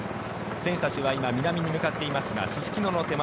選手たちは今南に向かっていますがすすきのの手前